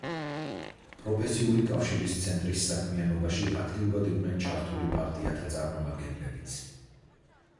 პროფესიული კავშირის ცენტრის საქმიანობაში აქტიურად იყვნენ ჩართული პარტიათა წარმომადგენლებიც.